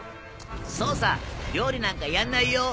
そうさ料理なんかやんないよ。